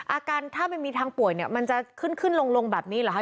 อาการถ้าไม่มีทางป่วยเนี่ยมันจะขึ้นขึ้นลงแบบนี้เหรอคะ